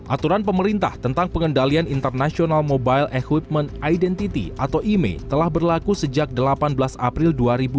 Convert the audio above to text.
aturan pemerintah tentang pengendalian international mobile equipment identity atau imei telah berlaku sejak delapan belas april dua ribu dua puluh